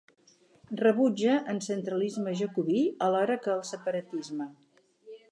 Rebutja en centralisme jacobí alhora que el separatisme.